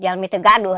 jalur jalur nggak bisa